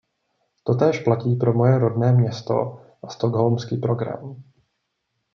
Totéž platí pro moje rodné město a stockholmský program.